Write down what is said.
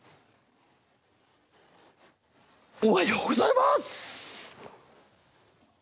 おはようございます。